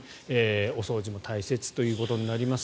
お掃除も大切ということになります。